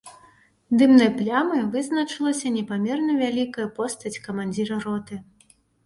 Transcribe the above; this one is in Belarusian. Дымнай плямай вызначылася непамерна вялікая постаць камандзіра роты.